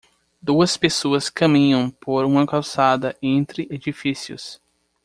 Duas pessoas caminham por uma calçada entre edifícios.